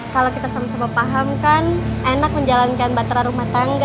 kalau kita sama sama paham kan enak menjalankan batera rumah tangga